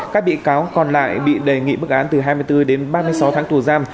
các bị cáo còn lại bị đề nghị bức án từ hai mươi bốn đến ba mươi sáu tháng tù giam